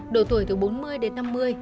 đổi tuổi từ bốn mươi đến năm mươi